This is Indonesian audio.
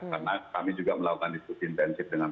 karena kami juga melakukan diskusi intensif dengan